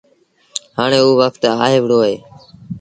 هآڻي اوٚ وکت آئي وهُڙو اهي تا